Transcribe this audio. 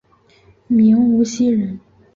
明无锡人。